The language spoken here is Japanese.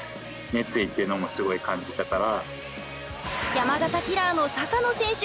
山形キラーの阪野選手